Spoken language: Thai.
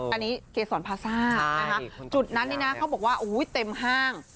อันนี้เกษรพาซ่านะคะจุดนั้นนี่นะเขาบอกว่าโอ้โหเต็มห้าง